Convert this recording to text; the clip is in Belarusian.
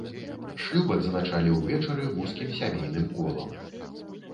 Шлюб адзначалі ўвечары вузкім сямейным колам.